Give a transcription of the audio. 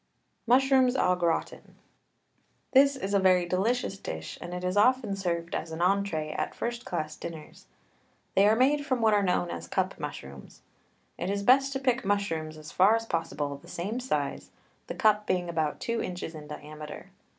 MUSHROOMS AU GRATIN. This is a very delicious dish, and is often served as an entree at first class dinners. They are made from what are known as cup mushrooms. It is best to pick mushrooms, as far as possible, the same size, the cup being about two inches in diameter.